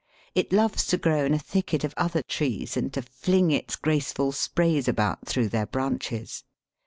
It loves to grow in a thicket of other trees, and to fling its graceful sprays about through their branches.